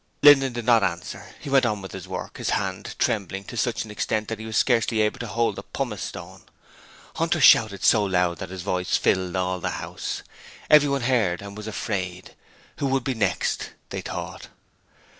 Linden did not answer: he went on with his work, his hand trembling to such an extent that he was scarcely able to hold the pumice stone. Hunter shouted so loud that his voice filled all the house. Everyone heard and was afraid. Who would be the next? they thought.